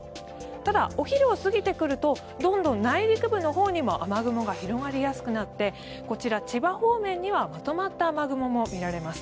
ただ、お昼を過ぎてくるとどんとん内陸部のほうにも雨雲が広がりやすくなってこちら、千葉方面にはまとまった雨雲もみられます。